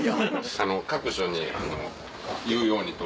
各所に言うようにと。